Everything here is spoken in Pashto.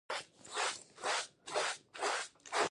انار د افغان ځوانانو لپاره دلچسپي لري.